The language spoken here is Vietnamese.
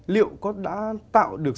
liệu có đã tạo được